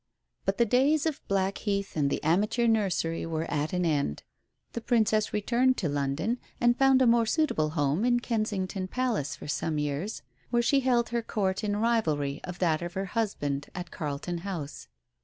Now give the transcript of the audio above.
But the days of Blackheath and the amateur nursery were at an end. The Princess returned to London, and found a more suitable home in Kensington Palace for some years, where she held her Court in rivalry of that of her husband at Carlton House.